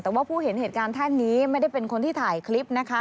แต่ว่าผู้เห็นเหตุการณ์ท่านนี้ไม่ได้เป็นคนที่ถ่ายคลิปนะคะ